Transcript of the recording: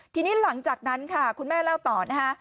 ทีนี้หลังจากนั้นค่ะคุณแม่เล่าต่อนะคะ